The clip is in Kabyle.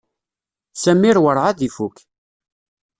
Samir werɛad ifuk.